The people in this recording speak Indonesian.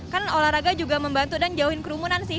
kan olahraga juga membantu dan jauhin kerumunan sih